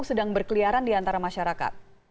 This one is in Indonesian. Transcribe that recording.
sedang berkeliaran diantara masyarakat